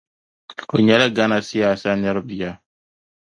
O nyɛla Ghana siyaasa nira bia,